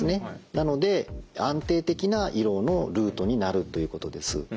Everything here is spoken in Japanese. なので安定的な胃ろうのルートになるということです。